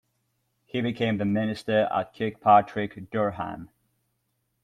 He became the minister at Kirkpatrick Durham.